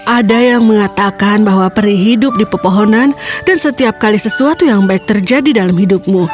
ada yang mengatakan bahwa peri hidup di pepohonan dan setiap kali sesuatu yang baik terjadi dalam hidupmu